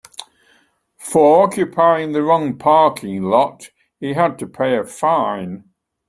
For occupying the wrong parking lot he had to pay a fine.